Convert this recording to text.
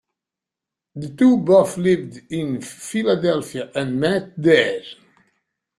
The two both lived in Philadelphia and met there.